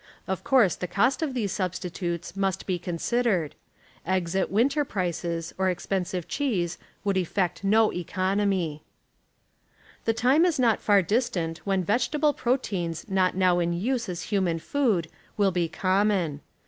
Of course tlie cost of these substitutes uiust be con sidered. I'.ggs at wint(>r j)rices or expensive cheese would ed'eet no eeonom}'. The time is not far distant when vegetable proteins not now in use as human food will be common.